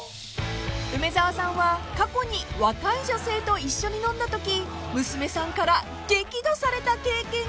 ［梅沢さんは過去に若い女性と一緒に飲んだとき娘さんから激怒された経験があるそうです］